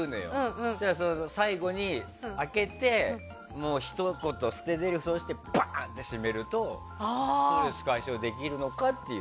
そうしたら、最後に開けてひと言捨てぜりふをしてバンって閉めるとストレス解消できるのかって。